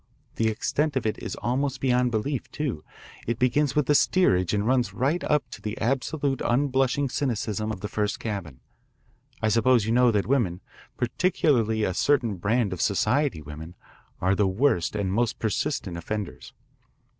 The extent of it is almost beyond belief, too. It begins with the steerage and runs right up to the absolute unblushing cynicism of the first cabin. I suppose you know that women, particularly a certain brand of society women, are the worst and most persistent offenders.